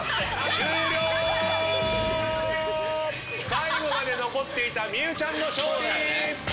最後まで残っていた望結ちゃんの勝利！